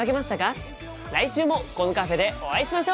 来週もこのカフェでお会いしましょう！